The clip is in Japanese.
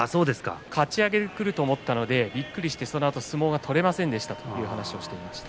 かち上げでくると思ったのでびっくりして、そのあと相撲が取れませんでしたという話をしていました。